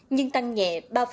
nhưng tăng nhẹ ba ba